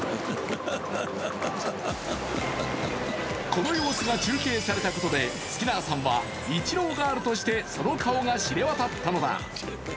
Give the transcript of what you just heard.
この様子が中継されたことでスキナーさんはイチローガールとして、その顔が知れ渡ったのだ。